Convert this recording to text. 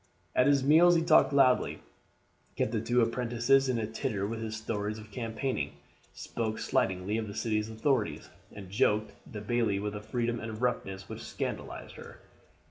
At his meals he talked loudly, kept the two apprentices in a titter with his stories of campaigning, spoke slightingly of the city authorities, and joked the bailie with a freedom and roughness which scandalized her.